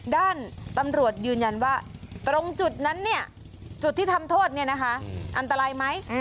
ด้านตำรวจยืนยันว่าตรงจุดนั้นจุดที่ทำโทษอันตรายไหม